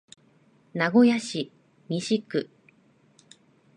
名古屋市西区